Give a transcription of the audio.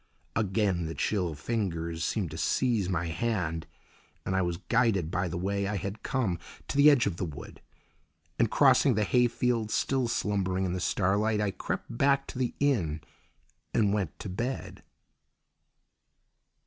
Again the chill fingers seemed to seize my hand, and I was guided by the way I had come to the edge of the wood, and crossing the hayfield still slumbering in the starlight, I crept back to the inn and went to bed.